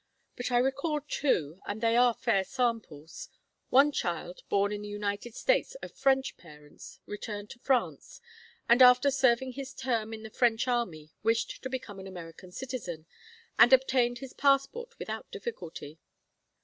But I recall two, and they are fair samples. One child, born in the United States, of French parents, returned to France, and after serving his term in the French army wished to become an American citizen, and obtained his passport without difficulty.